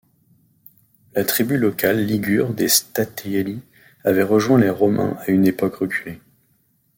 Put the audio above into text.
La tribu locale ligure des Statielli avait rejoint les Romains à une époque reculée.